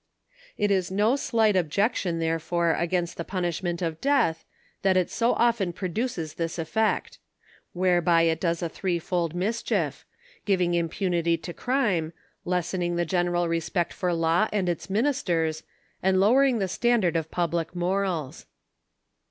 It is no slight objection therefore against the pu , nishment of death, that it so often pro*duces this effect ; whereby it does a threefold mischief; giving impunity to crime, lessening the general respect for law and its ministers, and lowering the standard of public morals.